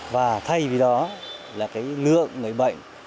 và thay vì đó là lượng người bệnh